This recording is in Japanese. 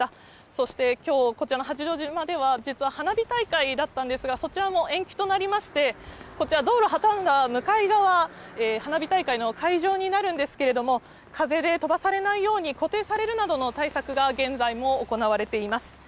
そしてきょう、こちらの八丈島では、実は花火大会だったんですが、そちらも延期となりまして、こちら、道路挟んだ向かい側、花火大会の会場になるんですけれども、風で飛ばされないように、固定されるなどの対策が現在も行われています。